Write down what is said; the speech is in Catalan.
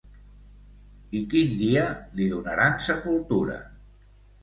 I quin dia li donaran sepultura?